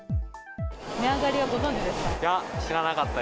値上がりはご存じでした？